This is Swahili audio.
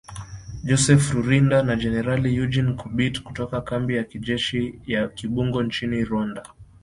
Joseph Rurindo na Jenerali Eugene Nkubit, kutoka kambi ya kijeshi ya Kibungo nchini Rwanda